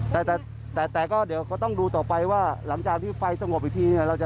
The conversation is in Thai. แต่แต่แต่แต่ก็เดี๋ยวเขาต้องดูต่อไปว่าหลังจากที่ไฟสงบอีกทีเนี่ย